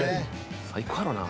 「最高やろうな。